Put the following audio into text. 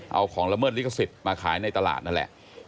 เอาของละเมิดลิขสิทธิ์มาขายในตลาดนั่นแหละ